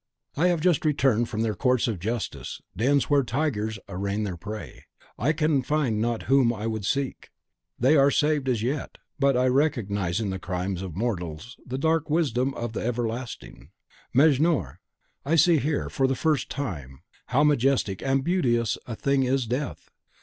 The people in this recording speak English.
.... I have just returned from their courts of justice, dens where tigers arraign their prey. I find not whom I would seek. They are saved as yet; but I recognise in the crimes of mortals the dark wisdom of the Everlasting. Mejnour, I see here, for the first time, how majestic and beauteous a thing is death!